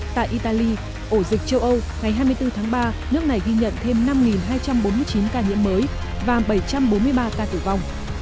tại italy ổ dịch châu âu ngày hai mươi bốn tháng ba nước này ghi nhận thêm năm hai trăm bốn mươi chín ca nhiễm mới và bảy trăm bốn mươi ba ca tử vong